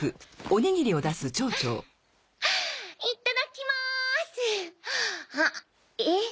いっただっきます！